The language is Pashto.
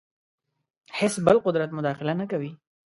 هېڅ بل قدرت مداخله نه کوي.